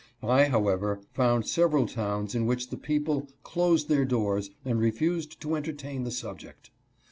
I, however, found several towns in which the people closed their doors and refused to entertain the subject.